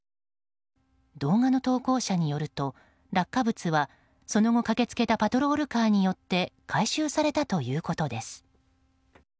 動画の投稿者によると落下物はその後駆けつけたパトロールカーによって回収されたということです。